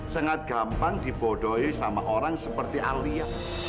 sangat gampang dibodohi sama orang seperti alia